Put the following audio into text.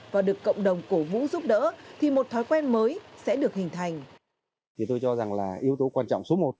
và được cộng đồng cổ vũ giúp đỡ thì một thói quen mới sẽ được hình thành